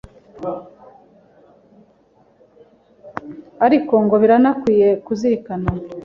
Ariko ngo biranakwiye kuzirikana